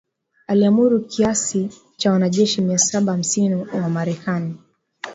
aliamuru kiasi cha wanajeshi mia saba hamsini wa Marekani